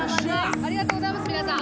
ありがとうございます皆さん